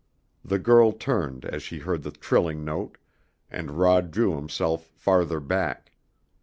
The girl turned as she heard the trilling note, and Rod drew himself farther back.